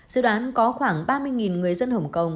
dự đoán có khoảng ba mươi người dân hồng kông